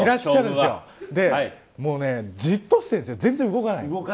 もうじっとして全然動かない。